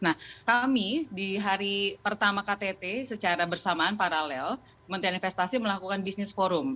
nah kami di hari pertama ktt secara bersamaan paralel menteri investasi melakukan business forum